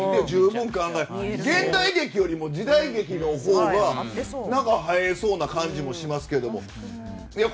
現代劇よりも時代劇のほうが映えそうな感じがしますけど。